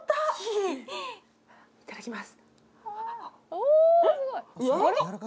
いただきます。